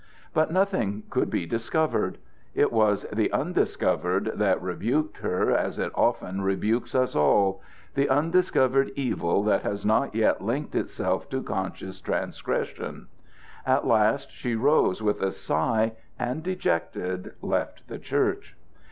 But nothing could be discovered. It was the undiscovered that rebuked her as it often rebukes us all the undiscovered evil that has not yet linked itself to conscious transgression. At last she rose with a sigh and, dejected, left the church.